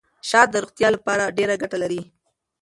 شات د روغتیا لپاره ډېره ګټه لري.